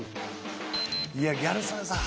・いやギャル曽根さん